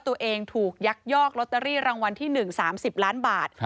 ตัวเองถูกยักยอกลอตเตอรี่รางวัลที่๑๓๐ล้านบาท